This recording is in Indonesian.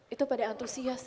itu pada antusias